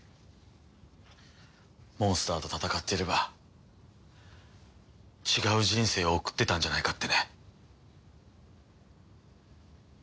モンスターと戦っていれば違う人生を送ってたんじゃないかってね。